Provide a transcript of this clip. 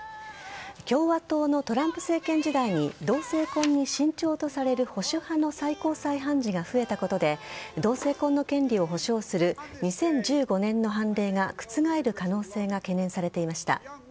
共和党のトランプ政権時代に同性婚に慎重とされる保守派の最高裁判事が増えたことで同性婚の権利を保障する２０１５年の判例が覆る可能性が懸念されていました。